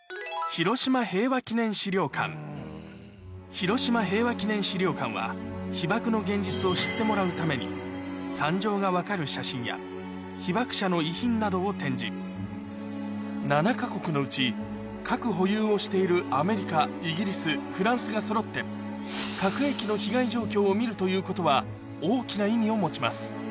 広島平和記念資料館は被爆の現実を知ってもらうために惨状が分かる写真や被爆者の遺品などを展示７か国のうち核保有をしているがそろってということは大きな意味を持ちます